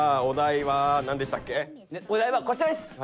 お題はこちらです。